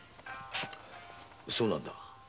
そうなんだ。